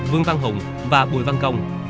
vương văn hùng và bùi văn công